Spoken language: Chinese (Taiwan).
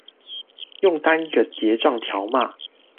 用單一個結帳條碼